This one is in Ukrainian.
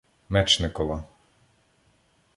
Мечникова.